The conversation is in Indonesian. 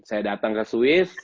saya datang ke swiss